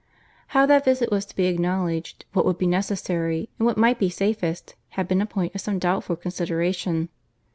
How that visit was to be acknowledged—what would be necessary—and what might be safest, had been a point of some doubtful consideration.